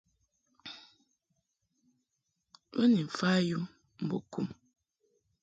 Bo ni mfa yum mbo kum.